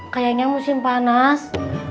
kayaknya musim panas